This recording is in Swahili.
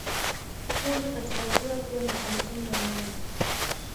Chumvi katika ziwa pia na chemchemi ya maji